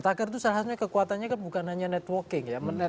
tagar itu salah satunya kekuatannya bukan hanya networking ya